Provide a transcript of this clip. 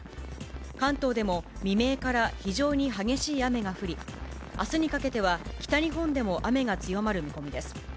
関東でも未明から非常に激しい雨が降り、あすにかけては北日本でも雨が強まる見込みです。